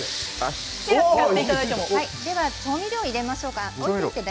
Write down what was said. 調味料を入れましょうか。